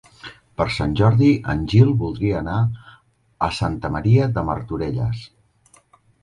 Per Sant Jordi en Gil voldria anar a Santa Maria de Martorelles.